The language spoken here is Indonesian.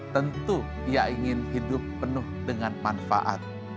tentu ia ingin hidup penuh dengan manfaat